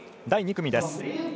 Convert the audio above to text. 第２組です。